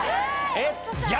・えっ！